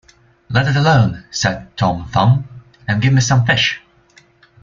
"Let it alone," said Tom Thumb; "and give me some fish!"